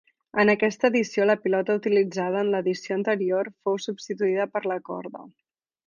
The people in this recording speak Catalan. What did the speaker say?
En aquesta edició la pilota utilitzada en l'edició anterior fou substituïda per la corda.